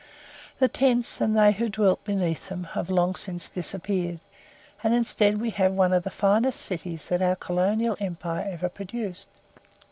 The tents, and they who dwelt beneath them, have long since disappeared, and instead we have one of the finest cities that our colonial empire ever produced.